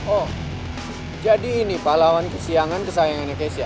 oh jadi ini pahlawan kesiangan kesayangan indonesia